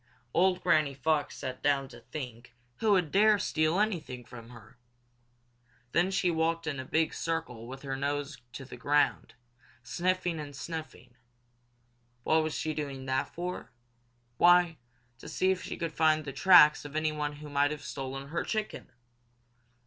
Old Granny Fox sat down to think who would dare steal anything from her. Then she walked in a big circle with her nose to the ground, sniffing and sniffing. What was she doing that for? Why, to see if she could find the tracks of anyone who might have stolen her chicken.